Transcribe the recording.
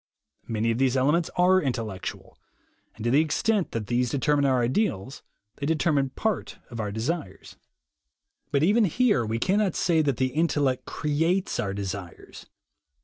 Many of these elements are intellectual, and to the extent that these deter mine our ideals, they determine part of our desires. But even here we cannot say that the intellect creates our desires.